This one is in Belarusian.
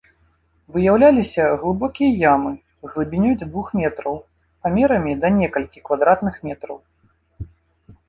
Выяўляліся глыбокія ямы, глыбінёй да двух метраў, памерамі да некалькі квадратных метраў.